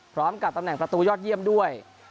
พร้อมกับตำแหน่งประตูยอดเยี่ยมด้วย